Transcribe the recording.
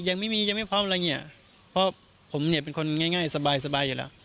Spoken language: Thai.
ยังไม่มียังไม่พร้อมอะไรอย่างนี้เพราะผมเนี่ยเป็นคนง่ายสบายสบายอยู่แล้ว